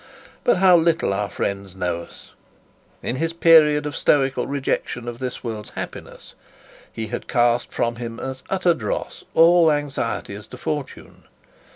But how little our friends know us! In his period of stoical rejection of this world's happiness, he had cast from him as utter dross all anxiety as to fortune.